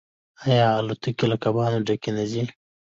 آیا الوتکې له کبانو ډکې نه ځي؟